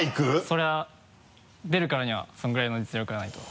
それは出るからにはそれぐらいの実力がないと。